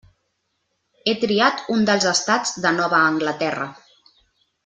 He triat un dels estats de Nova Anglaterra.